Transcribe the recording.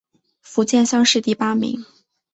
福建乡试第八名。